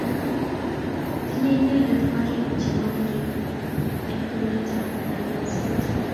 Tinyei inendet korik chemo ngering eng kwenetab nganaset